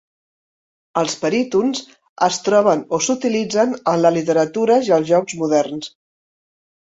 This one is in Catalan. Els perytons es troben o s'utilitzen en la literatura i els jocs moderns.